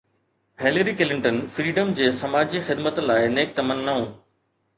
Hillary Clinton freedom جي سماجي خدمت لاءِ نيڪ تمنائون